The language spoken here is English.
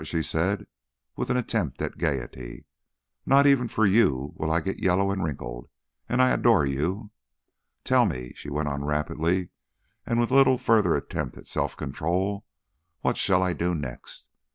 she said with an attempt at gayety. "Not even for you will I get yellow and wrinkled and I adore you! Tell me," she went on rapidly and with little further attempt at self control; "what shall I do next?